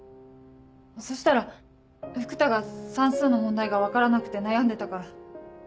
そしたら福多が算数の問題が分からなくて悩んでたから。